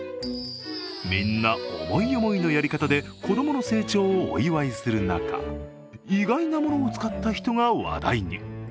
みんな思い思いのやり方で子供の成長をお祝いする中意外なものを使った人が話題に。